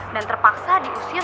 dan terpaksa diusir